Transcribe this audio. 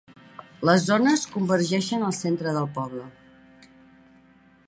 Les zones convergeixen al centre del poble.